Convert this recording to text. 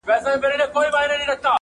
د اخترونو د جشنونو شالمار خبري،